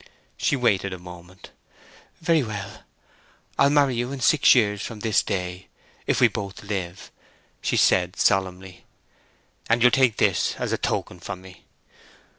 She waited a moment. "Very well. I'll marry you in six years from this day, if we both live," she said solemnly. "And you'll take this as a token from me."